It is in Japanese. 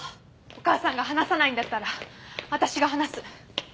お母さんが話さないんだったら私が話す。